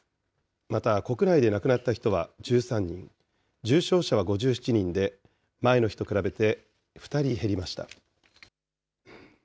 また国内で亡くなった人は１３人、重症者は５７人で、前の日と比べて２人減りました。